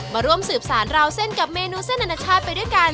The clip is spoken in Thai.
มาร่วมสืบสารราวเส้นกับเมนูเส้นอนาชาติไปด้วยกัน